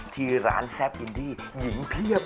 ที่ร้านแซ่บอินดี้หญิงเพียบ